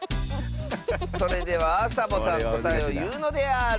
それではサボさんこたえをいうのである！